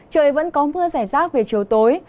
trời vẫn có mưa rẻ rác về chiều tối